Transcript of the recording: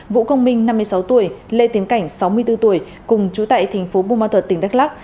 vũ công minh năm mươi sáu tuổi lê tiến cảnh sáu mươi bốn tuổi cùng chú tại tp bumatut tỉnh đắk lắc